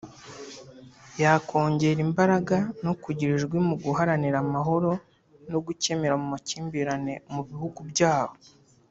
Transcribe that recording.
yakongera imbaraga no kugira ijwi mu guharanira amahoro no gukemura amakimbirane mu bihugu byabo